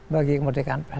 bagi kemerdekaan pers